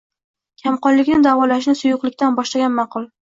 Kamqonlikni davolashni suyuqlikdan boshlagan ma’qul.